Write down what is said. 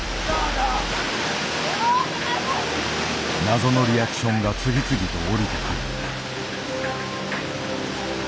謎のリアクションが次々と降りてくる。